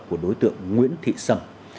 của đối tượng nguyễn thị sầm